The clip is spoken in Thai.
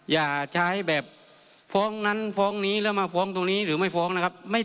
อย่าใช้แบบฟ้องนั้นฟ้องนี้แล้วมาฟ้องตรงนี้หรือไม่ฟ้องนะครับ